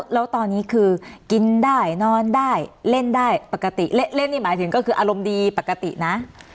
เล่นได้ปกติเล่นนี่หมายถึงก็คืออารมณ์ดีปกตินะ